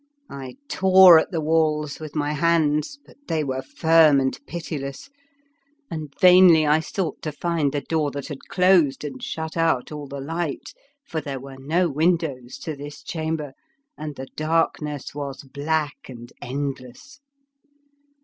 I tore at the walls with my hands, but they were firm and pitiless; and vainly I sought to find the door that had closed and shut out all the light, for there were no windows to this chamber, and the darkness was black and endless.